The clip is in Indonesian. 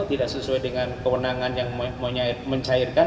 tidak sesuai dengan kewenangan yang mencairkan